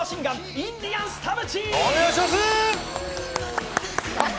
インディアンス田渕！